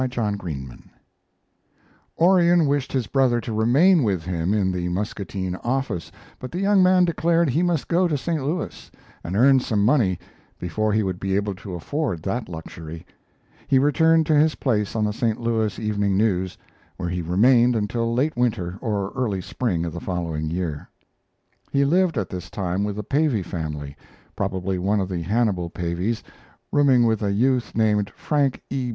KEOKUK DAYS Orion wished his brother to remain with him in the Muscatine office, but the young man declared he must go to St. Louis and earn some money before he would be able to afford that luxury: He returned to his place on the St. Louis Evening News, where he remained until late winter or early spring of the following year. He lived at this time with a Pavey family, probably one of the Hannibal Paveys, rooming with a youth named Frank E.